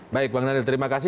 baik bang daniel terima kasih